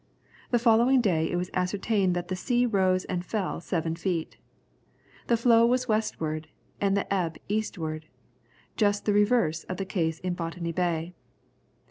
The following day, it was ascertained that the sea rose and fell seven feet. The flow was westward, and the ebb eastward, just the reverse of the case in Botany Bay.